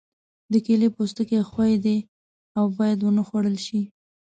د کیلې پوستکی ښوی دی او باید ونه خوړل شي.